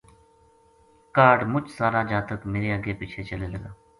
کاہڈ مُچ سارا جاتک میرے اَگے پِچھے چلے لگا